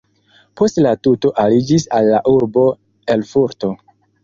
Poste la tuto aliĝis al la urbo Erfurto.